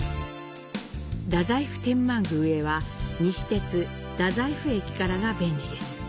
太宰府天満宮へは西鉄太宰府駅からが便利です。